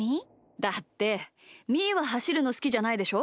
だってみーははしるのすきじゃないでしょ？